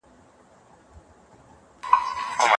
ایا ملي بڼوال جلغوزي صادروي؟